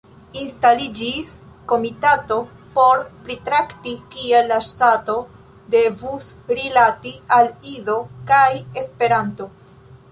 Instaliĝis komitato por pritrakti, kiel la ŝtato devus rilati al Ido kaj Esperanto.